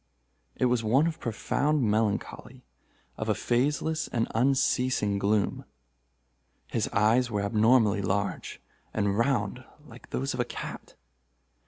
It was one of profound melancholy—of a phaseless and unceasing gloom. His eyes were abnormally large, and round like those of a cat.